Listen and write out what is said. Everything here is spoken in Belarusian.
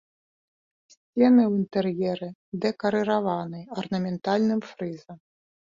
Сцены ў інтэр'еры дэкарыраваны арнаментальным фрызам.